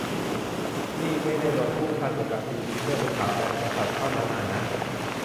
นี่ไม่ได้โดนคุกคามจากการตีพิมพ์เรื่องสถาบันกษัตริย์เท่านั้นอะนะ